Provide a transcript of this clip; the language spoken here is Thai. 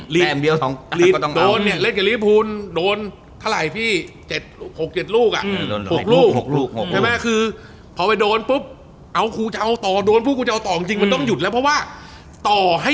ลีสโดนกระลีวฟูลเขา